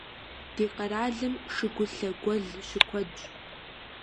Ди къэралым шыгъулъэ гуэл щыкуэдщ.